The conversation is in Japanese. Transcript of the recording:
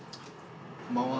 こんばんは。